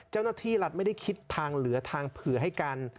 เจ้าหน้าที่รัฐไม่ได้คิดทางเหลือทางเผื่อให้กัน